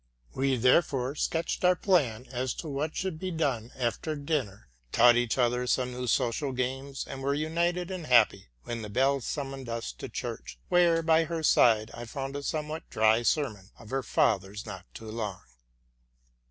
'We therefore sketched our plan as to what should be done after dinner, taught each other some new social games, and were united and happy, when the bell summoned us to church, where, by her side, I found a somewhat dry sermon of her father's not too long.